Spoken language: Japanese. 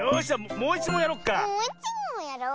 もういちもんやろう。